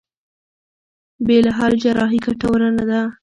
بې له حل جراحي ګټوره نه ده.